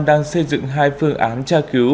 đang xây dựng hai phương án tra cứu